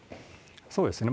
そうですね。